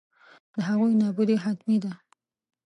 د هغوی نابودي حتمي ده.